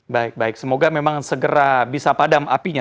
baik baik semoga memang segera bisa padam apinya